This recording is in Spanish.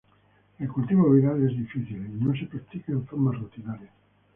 El cultivo viral es difícil y no se practica en forma rutinaria.